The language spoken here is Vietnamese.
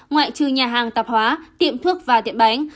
ngoại trừ nhà hàng tạp hóa tiệm thuốc và tiệm bánh